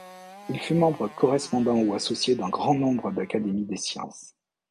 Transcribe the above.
Il fut membre correspondant ou associé d'un grand nombre d'académie des sciences.